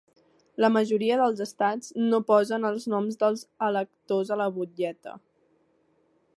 La majoria dels estats no posen els noms dels electors a la butlleta.